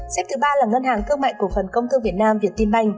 xếp thứ ba là ngân hàng thương mại cổ phần công thương việt nam vvtb